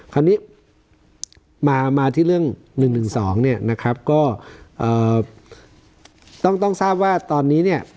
คราวนี้มามาที่เรื่องหนึ่งสองเนี่ยนะครับก็เอ่อต้องต้องทราบว่าตอนนี้เนี่ย